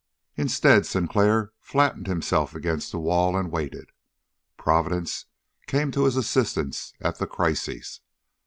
Instead, Sinclair flattened himself against the wall and waited. Providence came to his assistance at that crisis.